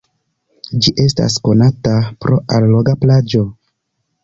Ĝi estas konata pro alloga plaĝo.